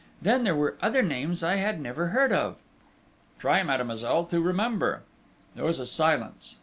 Then there were other names I had never heard of." "Try, mademoiselle, to remember...." There was a silence.